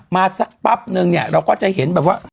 มาสักปั๊บหนึ่งเราก็จะเห็นแบบว่า